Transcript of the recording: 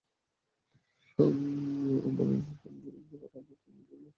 তবে সান সিরোর ফাঁড়া কাটানোর জন্য রিয়ালের ভরসা হতে পারেন গ্যারেথ বেল।